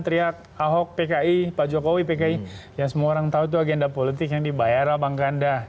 teriak ahok pki pak jokowi pki ya semua orang tahu itu agenda politik yang dibayar lah bang kanda